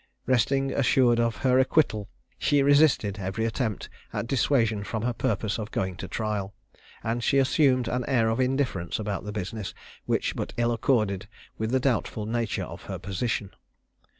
Resting assured of her acquittal, she resisted every attempt at dissuasion from her purpose of going to trial; and she assumed an air of indifference about the business which but ill accorded with the doubtful nature of her position.